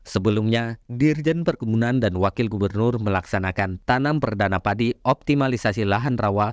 sebelumnya dirjen perkebunan dan wakil gubernur melaksanakan tanam perdana padi optimalisasi lahan rawa